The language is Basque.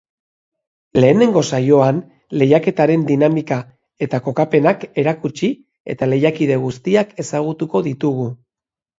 Lehenengo saioan, lehiaketaren dinamika eta kokapenak erakutsi eta lehiakide guztiak ezagutuko ditugu.